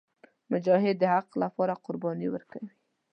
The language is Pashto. مجاهد د حق لپاره قرباني ورکوي.